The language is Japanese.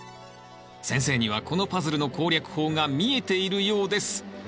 先生にはこのパズルの攻略法が見えているようです。